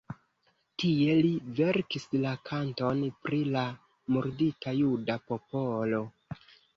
Tie li verkis la "Kanton pri la murdita juda popolo".